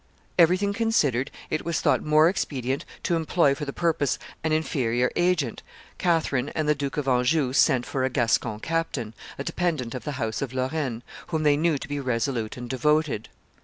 Everything considered, it was thought more expedient to employ for the purpose an inferior agent; Catherine and the Duke of Anjou sent for a Gascon captain, a dependant of the house of Lorraine, whom they knew to be resolute and devoted.